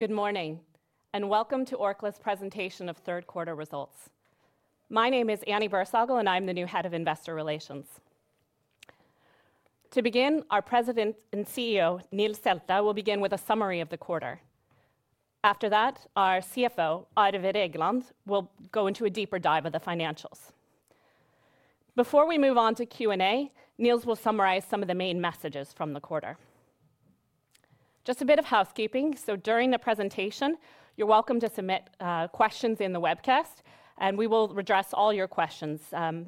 Good morning, and welcome to Orkla's presentation of third quarter results. My name is Annie Bersagel, and I'm the new head of Investor Relations. To begin, our President and CEO, Nils K. Selte, will begin with a summary of the quarter. After that, our CFO, Arve Regland, will go into a deeper dive of the financials. Before we move on to Q&A, Nils will summarize some of the main messages from the quarter. Just a bit of housekeeping: so during the presentation, you're welcome to submit questions in the webcast, and we will address all your questions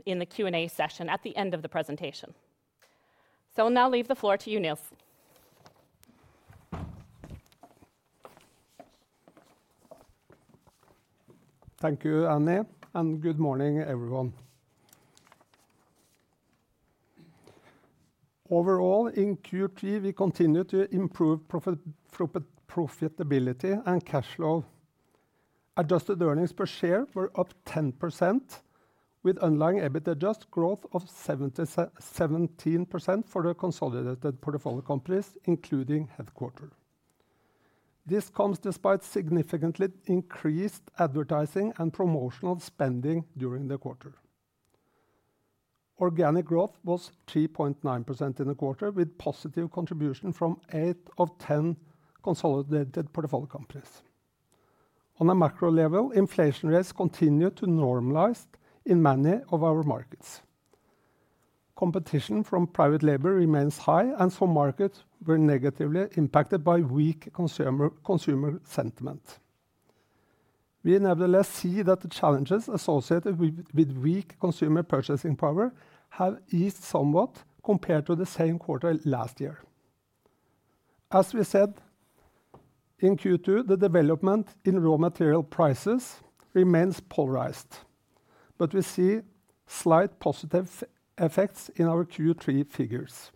in the Q&A session at the end of the presentation. So I'll now leave the floor to you, Nils. Thank you, Annie, and good morning, everyone. Overall, in Q3, we continued to improve profit, profitability and cash flow. Adjusted earnings per share were up 10%, with underlying adjusted EBIT growth of 17% for the consolidated portfolio companies, including headquarters. This comes despite significantly increased advertising and promotional spending during the quarter. Organic growth was 3.9% in the quarter, with positive contribution from 8 of 10 consolidated portfolio companies. On a macro level, inflation rates continued to normalize in many of our markets. Competition from private label remains high and some markets were negatively impacted by weak consumer sentiment. We nevertheless see that the challenges associated with weak consumer purchasing power have eased somewhat compared to the same quarter last year. As we said in Q2, the development in raw material prices remains polarized, but we see slight positive effects in our Q3 figures.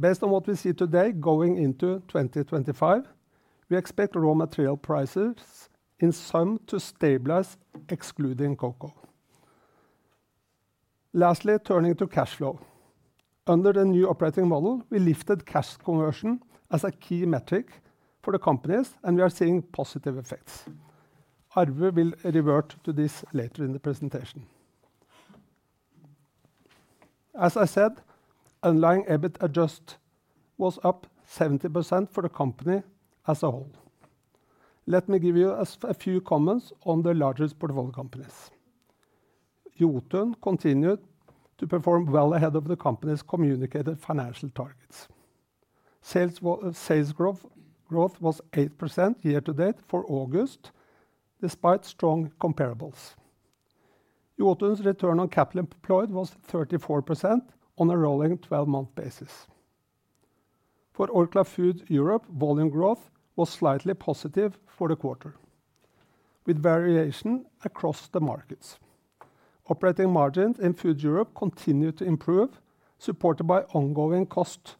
Based on what we see today, going into twenty twenty-five, we expect raw material prices in some to stabilize, excluding cocoa. Lastly, turning to cash flow. Under the new operating model, we lifted cash conversion as a key metric for the companies, and we are seeing positive effects. Arve will revert to this later in the presentation. As I said, overall EBIT adjust was up 70% for the company as a whole. Let me give you a few comments on the largest portfolio companies. Jotun continued to perform well ahead of the company's communicated financial targets. Sales growth was 8% year to date for August, despite strong comparables. Jotun's return on capital employed was 34% on a rolling 12-month basis. For Orkla Foods Europe, volume growth was slightly positive for the quarter, with variation across the markets. Operating margins in Food Europe continued to improve, supported by ongoing cost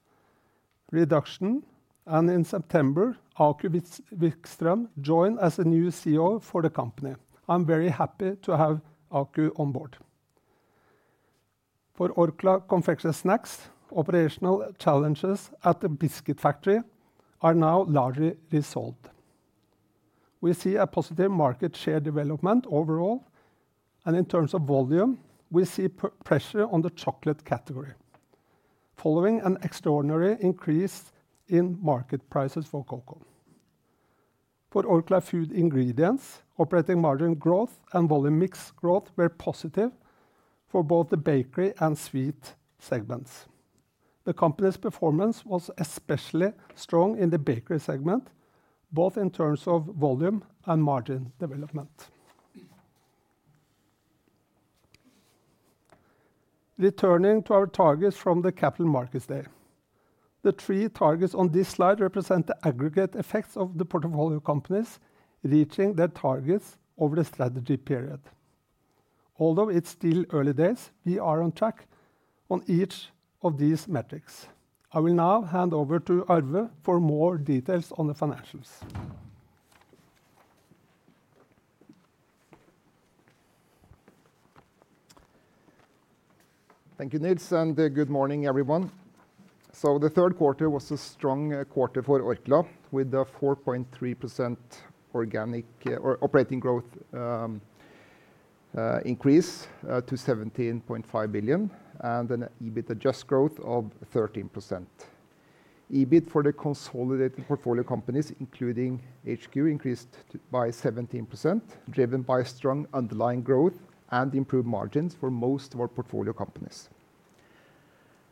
reduction, and in September, Aku Vikström joined as a new CEO for the company. I'm very happy to have Aku on board. For Orkla Confectionery & Snacks, operational challenges at the biscuit factory are now largely resolved. We see a positive market share development overall, and in terms of volume, we see price pressure on the chocolate category, following an extraordinary increase in market prices for cocoa. For Orkla Food Ingredients, operating margin growth and volume mix growth were positive for both the bakery and sweet segments. The company's performance was especially strong in the bakery segment, both in terms of volume and margin development. Returning to our targets from the Capital Markets Day, the three targets on this slide represent the aggregate effects of the portfolio companies reaching their targets over the strategy period. Although it's still early days, we are on track on each of these metrics. I will now hand over to Arve for more details on the financials. Thank you, Nils, and good morning, everyone. So the third quarter was a strong quarter for Orkla, with a 4.3% organic or operating growth increase to 17.5 billion, and an EBIT adjust growth of 13%. EBIT for the consolidated portfolio companies, including HQ, increased by 17%, driven by strong underlying growth and improved margins for most of our portfolio companies.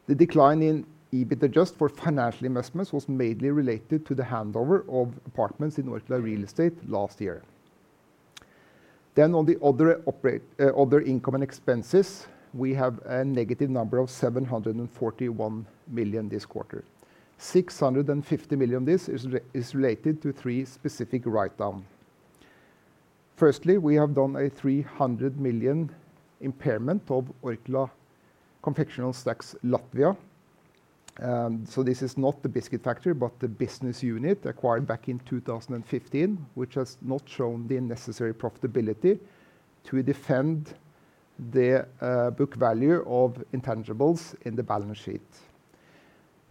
The decline in EBIT adjust for financial investments was mainly related to the handover of apartments in Orkla Real Estate last year. Then on the other operating other income and expenses, we have a negative number of 741 million this quarter. 650 million, this is related to three specific write-downs. Firstly, we have done a 300 million impairment of Orkla Confectionery & Snacks Latvia. So this is not the biscuit factory, but the business unit acquired back in two thousand and fifteen, which has not shown the necessary profitability to defend the book value of intangibles in the balance sheet.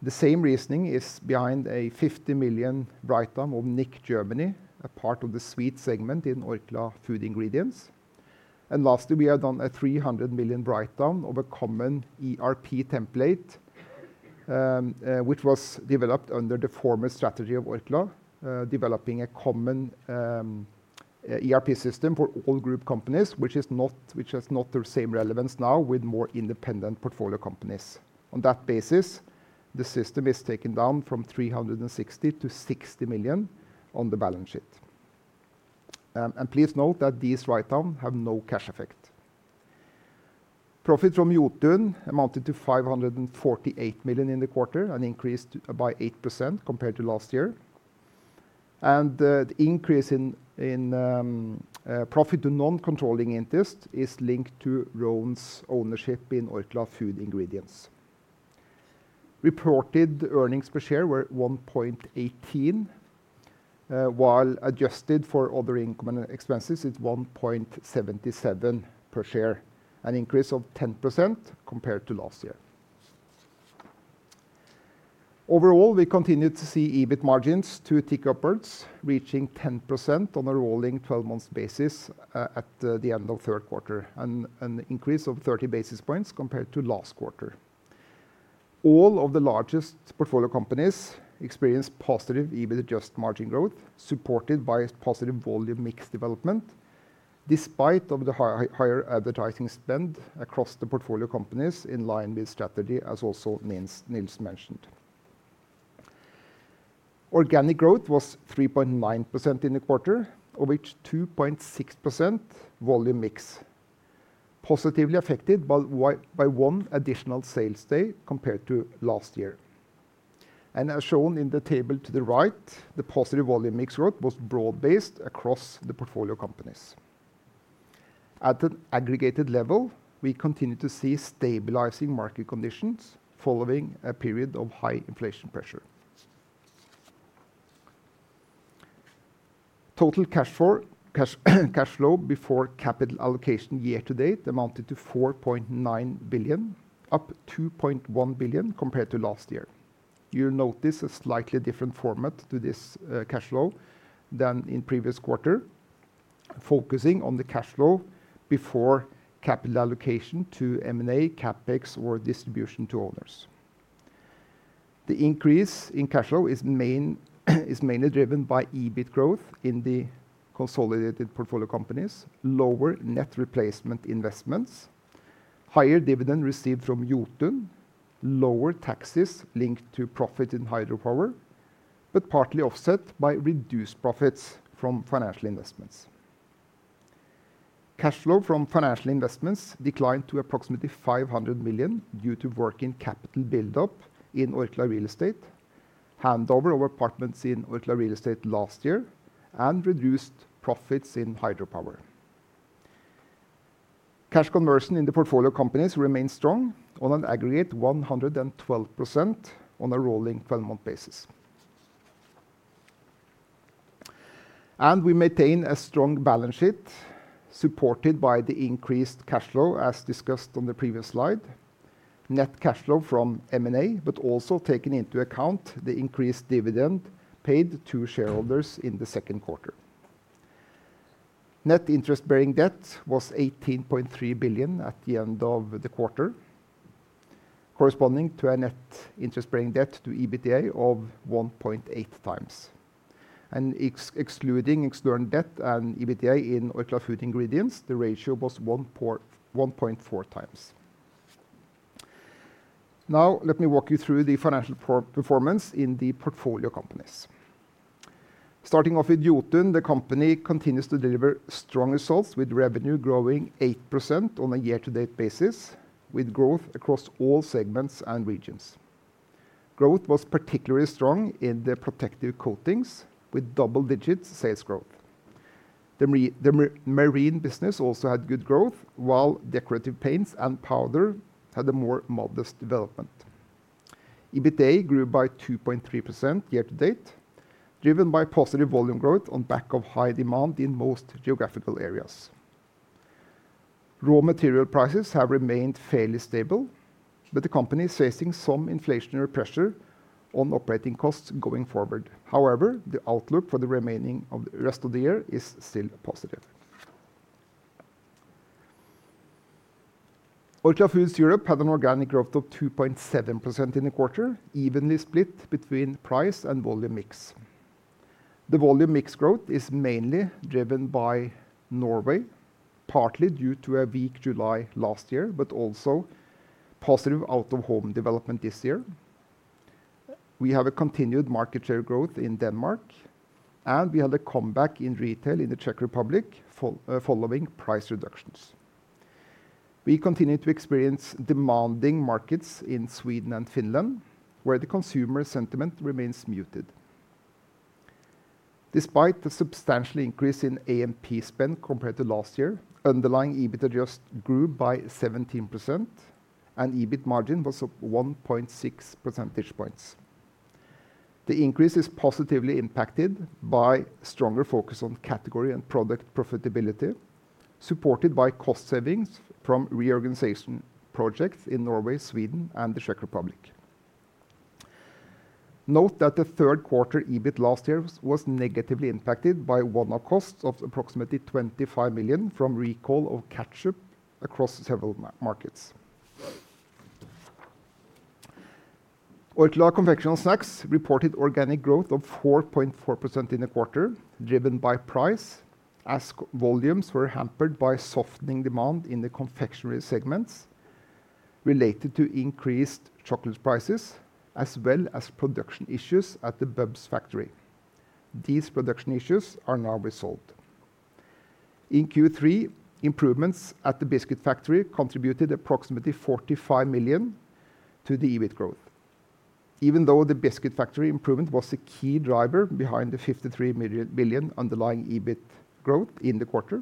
The same reasoning is behind a 50 million write-down of Nic Germany, a part of the sweet segment in Orkla Food Ingredients. And lastly, we have done a 300 million write-down of a common ERP template, which was developed under the former strategy of Orkla, developing a common ERP system for all group companies, which has not the same relevance now with more independent portfolio companies. On that basis, the system is taken down from 360 million to 60 million on the balance sheet. And please note that these write-down have no cash effect. Profit from Jotun amounted to 548 million in the quarter and increased by 8% compared to last year. The increase in profit to non-controlling interest is linked to Rhône's ownership in Orkla Food Ingredients. Reported earnings per share were 1.18, while adjusted for other income and expenses, it's 1.77 per share, an increase of 10% compared to last year. Overall, we continued to see EBIT margins to tick upwards, reaching 10% on a rolling 12-months basis, at the end of third quarter, and an increase of 30 basis points compared to last quarter. All of the largest portfolio companies experienced positive EBIT adjusted margin growth, supported by positive volume mix development, despite of the higher advertising spend across the portfolio companies in line with strategy, as also Nils mentioned. Organic growth was 3.9% in the quarter, of which 2.6% volume mix, positively affected by one additional sales day compared to last year. And as shown in the table to the right, the positive volume mix growth was broad-based across the portfolio companies. At an aggregated level, we continue to see stabilizing market conditions following a period of high inflation pressure. Total cash flow before capital allocation year to date amounted to 4.9 billion, up 2.1 billion compared to last year. You'll note this is a slightly different format to this, cash flow than in previous quarter, focusing on the cash flow before capital allocation to M&A, CapEx, or distribution to owners. The increase in cash flow is mainly driven by EBIT growth in the consolidated portfolio companies, lower net replacement investments, higher dividend received from Jotun, lower taxes linked to profit in hydropower, but partly offset by reduced profits from financial investments. Cash flow from financial investments declined to approximately 500 million due to working capital buildup in Orkla Real Estate, handover of apartments in Orkla Real Estate last year, and reduced profits in hydropower. Cash conversion in the portfolio companies remains strong on an aggregate 112% on a rolling twelve-month basis. We maintain a strong balance sheet, supported by the increased cash flow, as discussed on the previous slide, net cash flow from M&A, but also taking into account the increased dividend paid to shareholders in the second quarter. Net interest bearing debt was 18.3 billion at the end of the quarter, corresponding to a net interest bearing debt to EBITDA of 1.8 times, and excluding external debt and EBITDA in Orkla Food Ingredients, the ratio was 1.4 times. Now, let me walk you through the financial performance in the portfolio companies. Starting off with Jotun, the company continues to deliver strong results, with revenue growing 8% on a year-to-date basis, with growth across all segments and regions. Growth was particularly strong in the protective coatings, with double-digit sales growth. The marine business also had good growth, while decorative paints and powder had a more modest development. EBITDA grew by 2.3% year-to-date, driven by positive volume growth on back of high demand in most geographical areas. Raw material prices have remained fairly stable, but the company is facing some inflationary pressure on operating costs going forward. However, the outlook for the remaining of the rest of the year is still positive. Orkla Foods Europe had an organic growth of 2.7% in the quarter, evenly split between price and volume mix. The volume mix growth is mainly driven by Norway, partly due to a weak July last year, but also positive out-of-home development this year. We have a continued market share growth in Denmark, and we had a comeback in retail in the Czech Republic following price reductions. We continue to experience demanding markets in Sweden and Finland, where the consumer sentiment remains muted. Despite the substantial increase in A&P spend compared to last year, underlying EBIT adjust grew by 17%, and EBIT margin was up 1.6 percentage points. The increase is positively impacted by stronger focus on category and product profitability, supported by cost savings from reorganization projects in Norway, Sweden, and the Czech Republic. Note that the third quarter EBIT last year was negatively impacted by one-off costs of approximately 25 million from recall of ketchup across several markets. Orkla Confectionery & Snacks reported organic growth of 4.4% in the quarter, driven by price, as volumes were hampered by softening demand in the confectionery segments related to increased chocolate prices, as well as production issues at the Bubs factory. These production issues are now resolved. In Q3, improvements at the biscuit factory contributed approximately 45 million to the EBIT growth. Even though the biscuit factory improvement was the key driver behind the 53 million underlying EBIT growth in the quarter,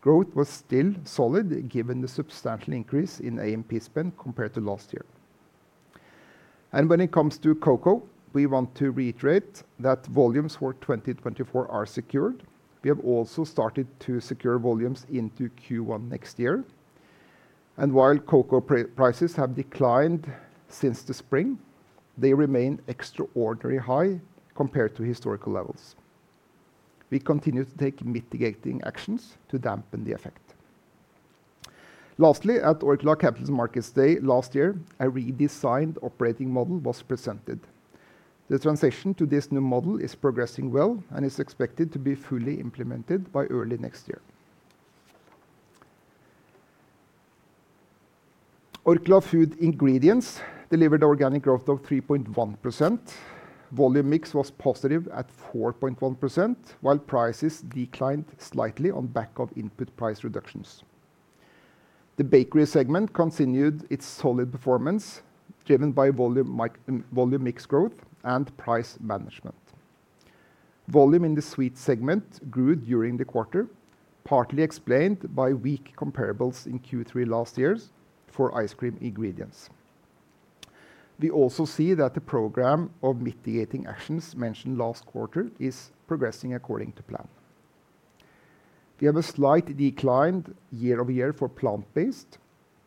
growth was still solid, given the substantial increase in A&P spend compared to last year. When it comes to cocoa, we want to reiterate that volumes for 2024 are secured. We have also started to secure volumes into Q1 next year, and while cocoa prices have declined since the spring, they remain extraordinary high compared to historical levels. We continue to take mitigating actions to dampen the effect. Lastly, at Orkla Capital Markets Day last year, a redesigned operating model was presented. The transition to this new model is progressing well and is expected to be fully implemented by early next year. Orkla Food Ingredients delivered organic growth of 3.1%. Volume mix was positive at 4.1%, while prices declined slightly on back of input price reductions. The bakery segment continued its solid performance, driven by volume mix growth and price management. Volume in the sweet segment grew during the quarter, partly explained by weak comparables in Q3 last year for ice cream ingredients. We also see that the program of mitigating actions mentioned last quarter is progressing according to plan. We have a slight decline year over year for plant-based,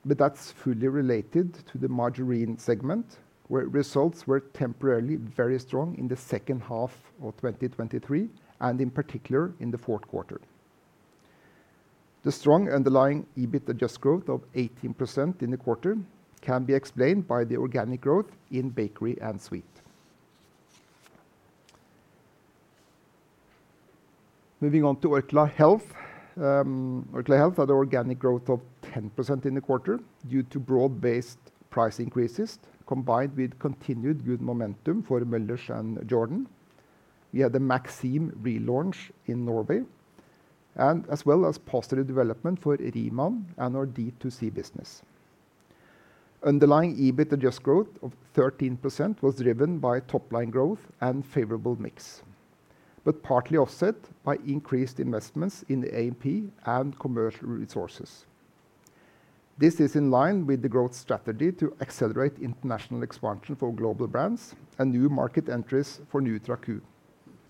but that's fully related to the margarine segment, where results were temporarily very strong in the second half of 2023, and in particular, in the fourth quarter. The strong underlying EBIT adjust growth of 18% in the quarter can be explained by the organic growth in bakery and sweet. Moving on to Orkla Health. Orkla Health had organic growth of 10% in the quarter due to broad-based price increases, combined with continued good momentum for Möller's and Jordan. We had the Maxim relaunch in Norway and as well as positive development for Riemann and our D2C business. Underlying EBIT adjust growth of 13% was driven by top-line growth and favorable mix, but partly offset by increased investments in the A&P and commercial resources. This is in line with the growth strategy to accelerate international expansion for global brands and new market entries for NutraQ,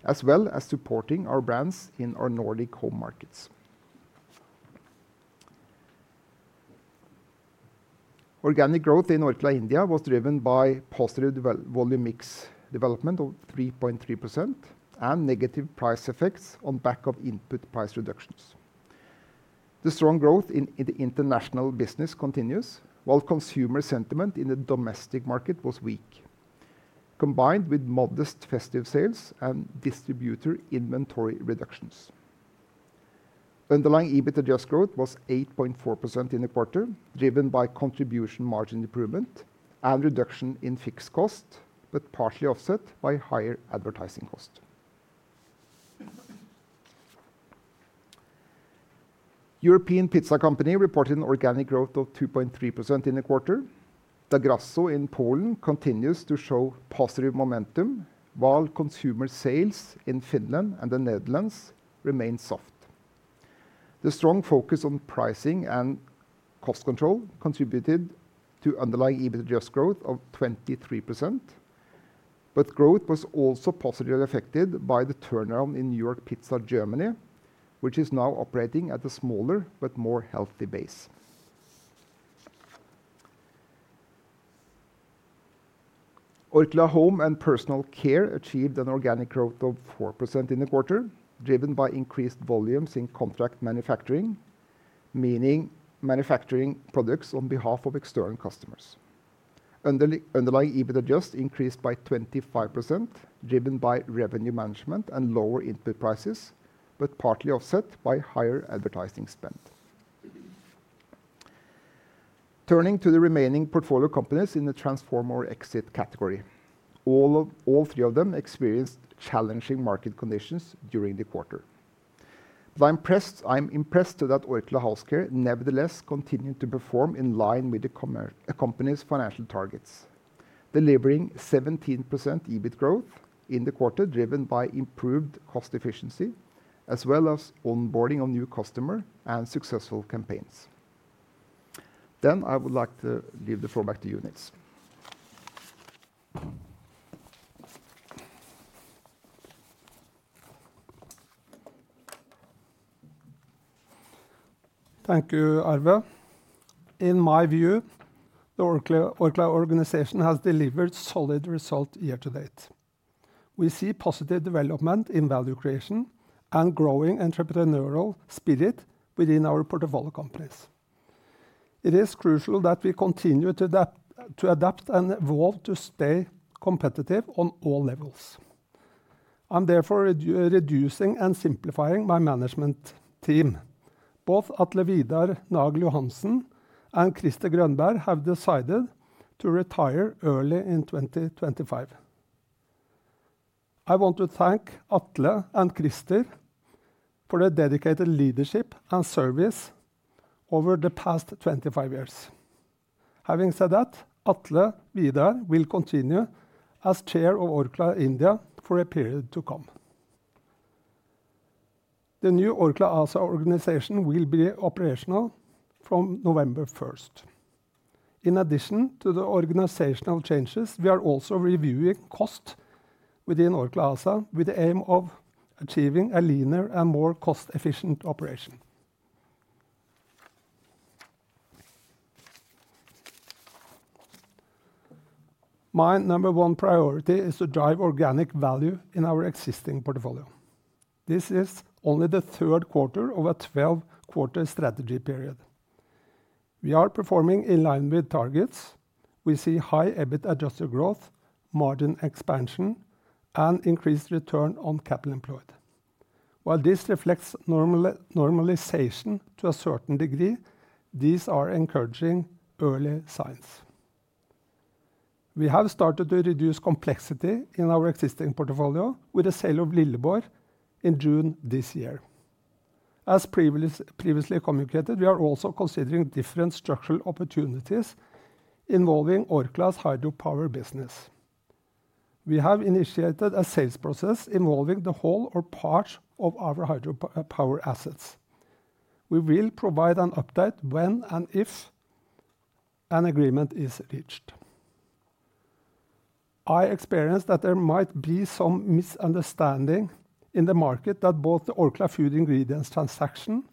as well as supporting our brands in our Nordic home markets. Organic growth in Orkla India was driven by positive volume mix development of 3.3% and negative price effects on back of input price reductions. The strong growth in the international business continues, while consumer sentiment in the domestic market was weak, combined with modest festive sales and distributor inventory reductions. Underlying EBIT adjust growth was 8.4% in the quarter, driven by contribution margin improvement and reduction in fixed cost, but partially offset by higher advertising cost. European Pizza Company reported an organic growth of 2.3% in the quarter. Da Grasso in Poland continues to show positive momentum, while consumer sales in Finland and the Netherlands remain soft. The strong focus on pricing and cost control contributed to underlying EBIT adjust growth of 23%, but growth was also positively affected by the turnaround in New York Pizza, Germany, which is now operating at a smaller but more healthy base. Orkla Home and Personal Care achieved an organic growth of 4% in the quarter, driven by increased volumes in contract manufacturing, meaning manufacturing products on behalf of external customers. Underlying EBIT adjust increased by 25%, driven by revenue management and lower input prices, but partly offset by higher advertising spend. Turning to the remaining portfolio companies in the Transform or Exit category. All three of them experienced challenging market conditions during the quarter. But I'm impressed that Orkla House Care nevertheless continued to perform in line with the company's financial targets, delivering 17% EBIT growth in the quarter, driven by improved cost efficiency, as well as onboarding of new customer and successful campaigns. Then I would like to give the floor back to Nils Selte. Thank you, Arve. In my view, the Orkla organization has delivered solid results year to date. We see positive development in value creation and growing entrepreneurial spirit within our portfolio companies. It is crucial that we continue to adapt and evolve to stay competitive on all levels. I'm therefore reducing and simplifying my management team. Both Atle Vidar Nagel-Johansen and Christer Grönberg have decided to retire early in twenty twenty-five. I want to thank Atle and Christer for their dedicated leadership and service over the past twenty-five years. Having said that, Atle Vidar will continue as Chair of Orkla India for a period to come. The new Orkla ASA organization will be operational from November first. In addition to the organizational changes, we are also reviewing costs within Orkla ASA, with the aim of achieving a leaner and more cost-efficient operation. My number one priority is to drive organic value in our existing portfolio. This is only the third quarter of a twelve-quarter strategy period. We are performing in line with targets. We see high EBIT adjusted growth, margin expansion, and increased return on capital employed. While this reflects normalization to a certain degree, these are encouraging early signs. We have started to reduce complexity in our existing portfolio with the sale of Lilleborg in June this year. As previously communicated, we are also considering different structural opportunities involving Orkla's hydropower business. We have initiated a sales process involving the whole or part of our hydropower assets. We will provide an update when and if an agreement is reached. I experienced that there might be some misunderstanding in the market that both the Orkla Food Ingredients transaction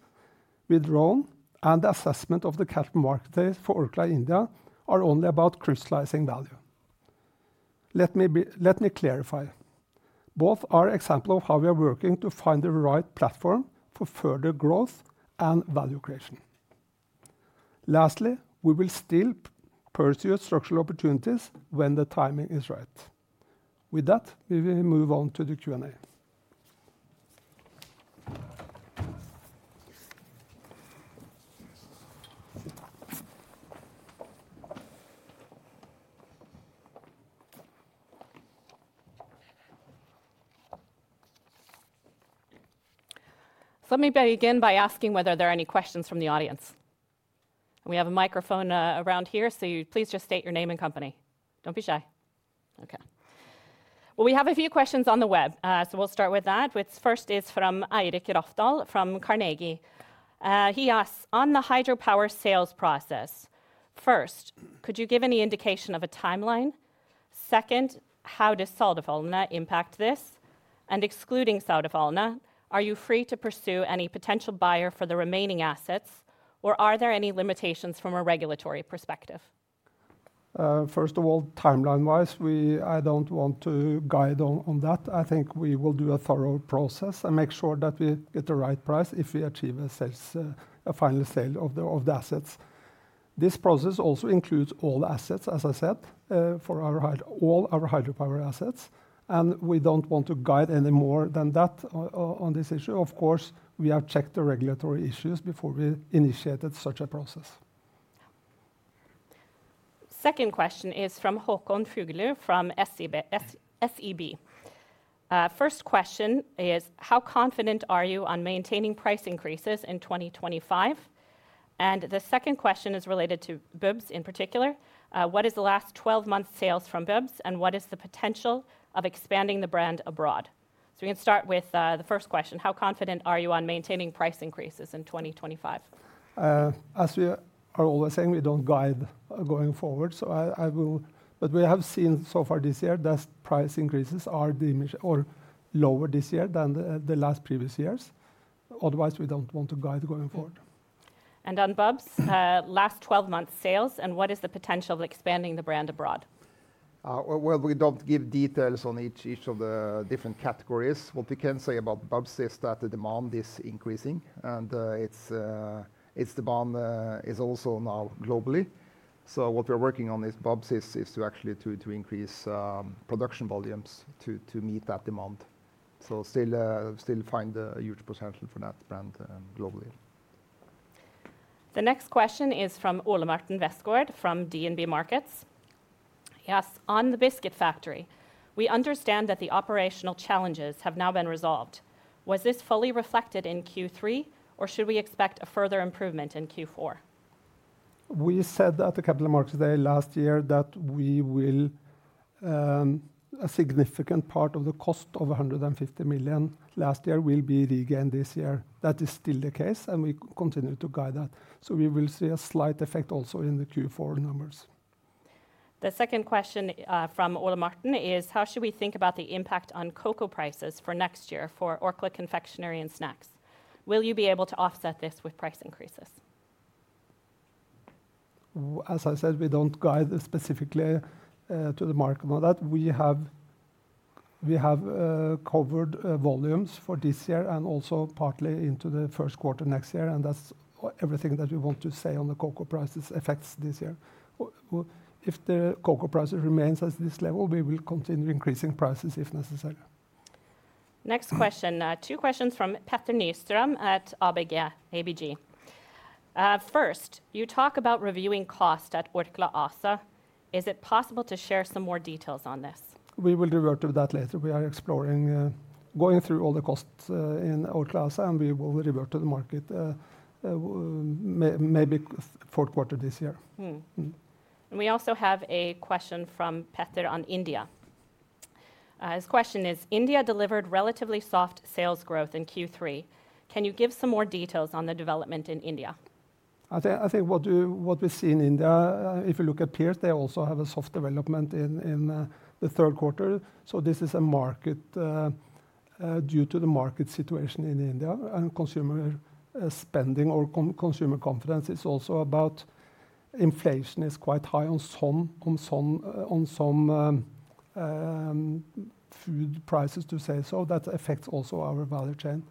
with Rhône and the assessment of the capital market for Orkla India are only about crystallizing value. Let me clarify. Both are example of how we are working to find the right platform for further growth and value creation. Lastly, we will still pursue structural opportunities when the timing is right. With that, we will move on to the Q&A. So let me begin by asking whether there are any questions from the audience. We have a microphone around here, so please just state your name and company. Don't be shy. Okay. Well, we have a few questions on the web, so we'll start with that, which first is from Eirik Rafdal from Carnegie. He asks, "On the hydropower sales process, first, could you give any indication of a timeline? Second, how does Saudefaldene impact this? And excluding Saudefaldene, are you free to pursue any potential buyer for the remaining assets, or are there any limitations from a regulatory perspective? First of all, timeline-wise, we... I don't want to guide on that. I think we will do a thorough process and make sure that we get the right price if we achieve a sale, a final sale of the assets. This process also includes all assets, as I said, for our hydropower assets, and we don't want to guide any more than that on this issue. Of course, we have checked the regulatory issues before we initiated such a process. Yeah. Second question is from Håkon Fuglu from SEB. First question is: How confident are you on maintaining price increases in 2025? And the second question is related to Bubs in particular. What is the last twelve months sales from Bubs, and what is the potential of expanding the brand abroad? So we can start with the first question: How confident are you on maintaining price increases in 2025? As we are always saying, we don't guide going forward, so I will... But we have seen so far this year that price increases are diminished or lower this year than the last previous years. Otherwise, we don't want to guide going forward. On Bubs, last twelve-month sales, and what is the potential of expanding the brand abroad? Well, we don't give details on each of the different categories. What we can say about Bubs is that the demand is increasing, and it's its demand is also now globally. So what we're working on is Bubs is to actually increase production volumes to meet that demand. So still find a huge potential for that brand globally. The next question is from Ole Martin Westgaard, from DNB Markets. He asks: On the biscuit factory, we understand that the operational challenges have now been resolved. Was this fully reflected in Q3, or should we expect a further improvement in Q4? We said at the Capital Markets Day last year that a significant part of the cost of 150 million last year will be regained this year. That is still the case, and we continue to guide that. We will see a slight effect also in the Q4 numbers. The second question from Ole Martin is: How should we think about the impact on cocoa prices for next year for Orkla Confectionery & Snacks? Will you be able to offset this with price increases? As I said, we don't guide specifically to the market. Now that we have covered volumes for this year and also partly into the first quarter next year, and that's everything that we want to say on the cocoa prices effects this year. If the cocoa price remains at this level, we will continue increasing prices if necessary. Next question. Two questions from Petter Nystrøm at ABG. First, you talk about reviewing cost at Orkla ASA. Is it possible to share some more details on this? We will revert to that later. We are exploring, going through all the costs, in Orkla ASA, and we will revert to the market, maybe fourth quarter this year. Mm. Mm. We also have a question from Petter on India. His question is: India delivered relatively soft sales growth in Q3. Can you give some more details on the development in India? I think what we see in India, if you look at peers, they also have a soft development in the third quarter. So this is a market due to the market situation in India and consumer spending or consumer confidence is also about inflation is quite high on some food prices, to say. So that affects also our value chain.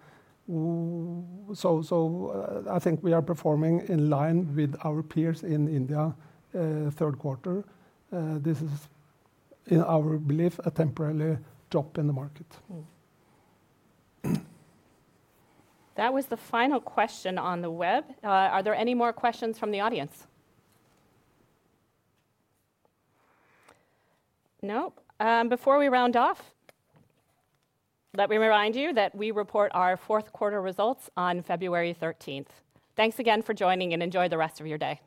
So I think we are performing in line with our peers in India, third quarter. This is, in our belief, a temporary drop in the market. That was the final question on the web. Are there any more questions from the audience? Nope. Before we round off, let me remind you that we report our fourth quarter results on February thirteenth. Thanks again for joining, and enjoy the rest of your day.